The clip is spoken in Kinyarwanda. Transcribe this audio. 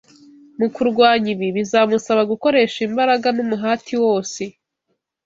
Mu kurwanya ibi, bizamusaba gukoresha imbaraga n’umuhati wose